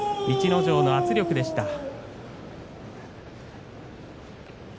逸ノ城の圧力でした。